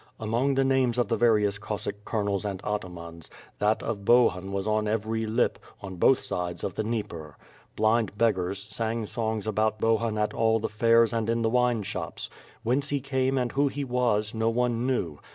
Among the names of the various Cossack C^olonels and atamans, that of Bohun was on every lip, on both sides of the Dnieper. Blind beggars sang songs about Bohun at all the fairs and in the wine shops. Whence he came and who he wap, no one knew.